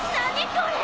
これ。